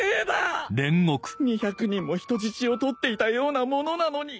２００人も人質をとっていたようなものなのに